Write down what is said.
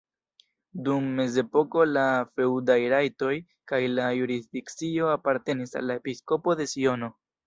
Dum mezepoko la feŭdaj rajtoj kaj la jurisdikcio apartenis al la episkopo de Siono.